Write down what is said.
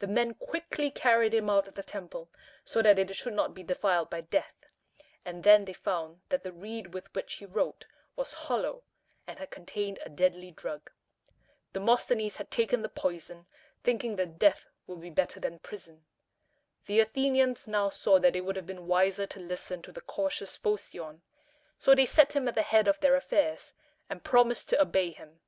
The men quickly carried him out of the temple, so that it should not be defiled by death, and then they found that the reed with which he wrote was hollow, and had contained a deadly drug. Demosthenes had taken the poison, thinking that death would be better than prison. The Athenians now saw that it would have been wiser to listen to the cautious Phocion: so they set him at the head of their affairs, and promised to obey him.